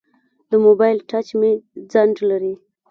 د موبایل ټچ مې ځنډ لري.